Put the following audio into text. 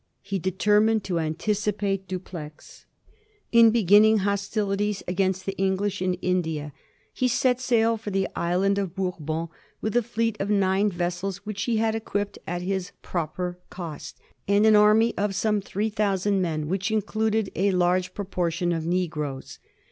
He determined to anticipate Dupleix in beginning hostilities against the English in India. He set sail from the island of Bourbon with a fleet of nine vessels which ho had equipped at his proper cost, and an 1746. LA BOURDONNAia 259 army of some three thousand men, which ineluded a large proportion of negroes.